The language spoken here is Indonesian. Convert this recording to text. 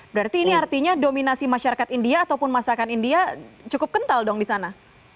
berarti ini artinya dominasi masyarakat india ataupun masakan india cukup kental dong di sana